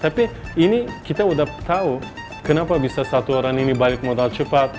tapi ini kita udah tahu kenapa bisa satu orang ini balik modal cepat